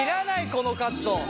このカット！